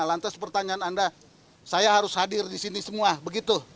lantas pertanyaan anda saya harus hadir di sini semua begitu